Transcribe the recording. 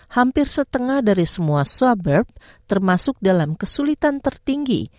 hampir setengah dari semua suburb termasuk dalam kesulitan tertinggi